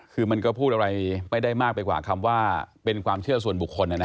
คือมันก็พูดอะไรไม่ได้มากไปกว่าคำว่าเป็นความเชื่อส่วนบุคคล